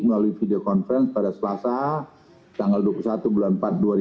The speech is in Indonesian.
melalui video conference pada selasa tanggal dua puluh satu bulan empat